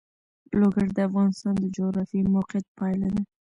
لوگر د افغانستان د جغرافیایي موقیعت پایله ده.